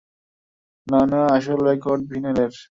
না, না, আসল রেকর্ড, ভিনাইলের।